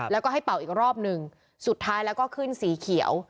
แล้วก็ให้เป่าอีกรอบหนึ่งสุดท้ายแล้วก็ขึ้นสีเขียว